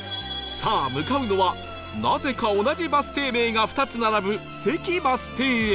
さあ向かうのはなぜか同じバス停名が２つ並ぶ関バス停へ